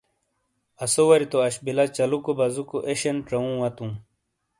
اسوواری تو اش بیلہ چالُوکو بازُوکو ایشین ژاوُوں واتُوں